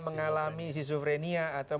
mengalami sisu frenia atau